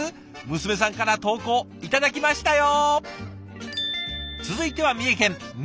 娘さんから投稿頂きましたよ！